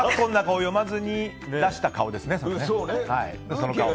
読まずに出した顔ですね。